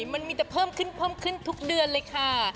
มันมีแต่เพิ่มขึ้นเพิ่มขึ้นทุกเดือนเลยค่ะ